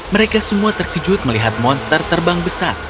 mereka semua terkejut melihat monster terbang besar